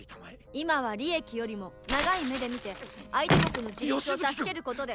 今は利益よりも長い目で見て相手国の自立を助けることで。